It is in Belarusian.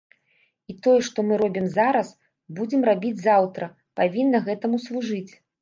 І тое, што мы робім зараз, будзем рабіць заўтра, павінна гэтаму служыць.